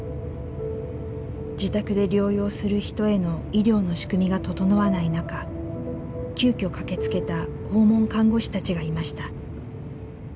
自宅で療養する人への医療の仕組みが整わない中急きょ駆けつけた訪問看護師たちがいました。